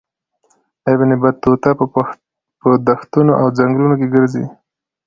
ابن بطوطه په دښتونو او ځنګلونو کې ګرځي.